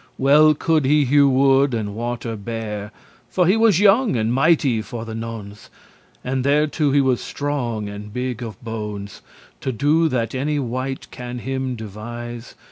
Well could he hewe wood, and water bear, For he was young and mighty for the nones*, *occasion And thereto he was strong and big of bones To do that any wight can him devise.